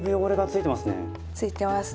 ついてますね。